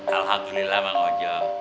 alhamdulillah bang ojo